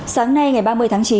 sáng nay ngày ba mươi tháng chín